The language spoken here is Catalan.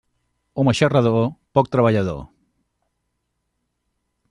Home xarrador, poc treballador.